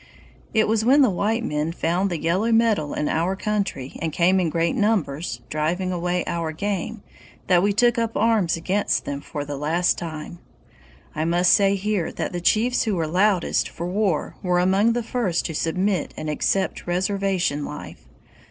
"It was when the white men found the yellow metal in our country, and came in great numbers, driving away our game, that we took up arms against them for the last time. I must say here that the chiefs who were loudest for war were among the first to submit and accept reservation life.